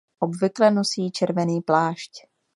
Obvykle nosí červený plášť.